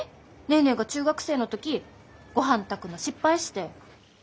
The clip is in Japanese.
ネーネーが中学生の時ごはん炊くの失敗して。